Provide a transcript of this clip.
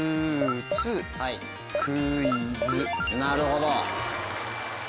なるほど！